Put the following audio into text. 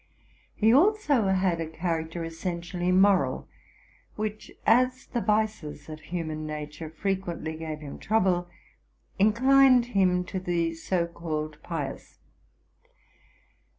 He also had a character essentially moral, which, as the vices of human nature fre quently gave him trouble, inclined him to the so called pious.